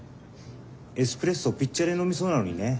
エスプレッソをピッチャーで飲みそうなのにね。